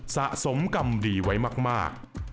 สะสมกรรมดีไว้มาก